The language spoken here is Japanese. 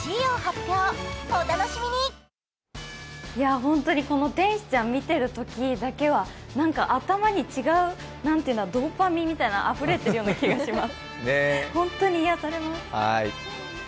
本当に天使ちゃん見てるときだけは頭に違うドーパミンがあふれてる気がします。